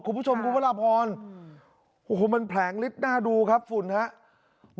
คุณผู้ชมคุณพระราพรโอ้โหมันแผลงฤทธิ์น่าดูครับฝุ่นครับ